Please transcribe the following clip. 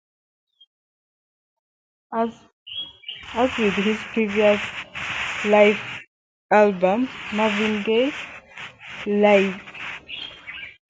As with his previous live album, Marvin Gaye Live!